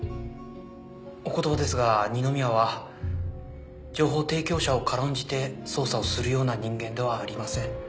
お言葉ですが二宮は情報提供者を軽んじて捜査をするような人間ではありません。